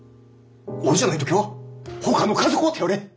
俺じゃない時はほかの家族を頼れ！